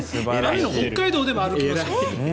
雨の北海道でも歩きますから。